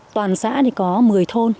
toàn xã thì có một mươi thôn